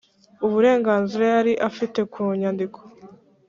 uburenganzira yari afite ku nyandiko